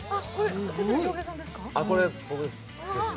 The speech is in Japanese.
これ、僕ですね。